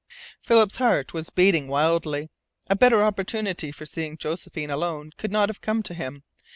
Philip's heart was beating wildly. A better opportunity for seeing Josephine alone could not have come to him.